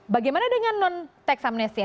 bagaimana dengan non teksamnesti